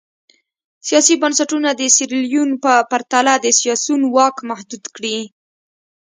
سیاسي بنسټونه د سیریلیون په پرتله د سیاسیونو واک محدود کړي.